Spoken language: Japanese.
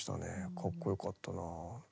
かっこよかったなあ。